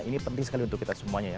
ini penting sekali untuk kita semuanya ya